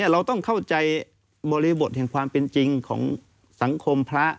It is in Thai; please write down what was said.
เราต้องเข้าใจบริบทแห่งความเป็นจริงของสังคมพระ